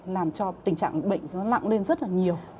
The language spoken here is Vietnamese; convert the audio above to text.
làm cho tình trạng bệnh nó lặng lên rất là nhiều